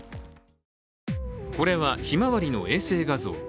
これは、「ひまわり」の衛星画像。